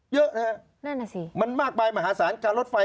เยอะนะครับนั่นอ่ะสิมันมากไปมหาศาลการรถไฟ